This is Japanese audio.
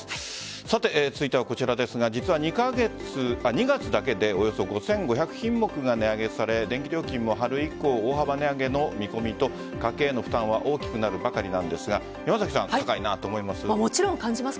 さて続いてはこちらですが実は２月だけでおよそ５５００品目が値上げされ電気料金も春以降大幅値上げの見込みと家計への負担は大きくなるばかりですが山崎さん、高いなと思います？